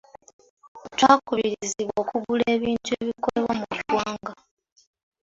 twakubirizibwa okugula ebintu ebikolebwa mu ggwanga.